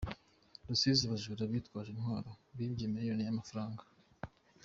Rusizi Abajura bitwaje intwaro bibye miliyoni y’amafaranga